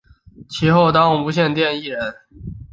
其后当无线电视艺人。